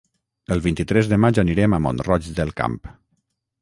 El vint-i-tres de maig anirem a Mont-roig del Camp.